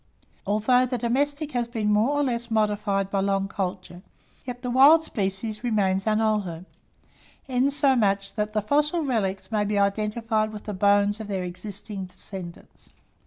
Although the domestic has been more or less modified by long culture, yet the wild species remains unaltered, insomuch that the fossil relics may be identified with the bones of their existing descendants.